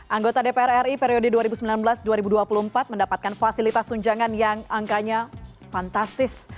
anggota dpr ri periode dua ribu sembilan belas dua ribu dua puluh empat mendapatkan fasilitas tunjangan yang angkanya fantastis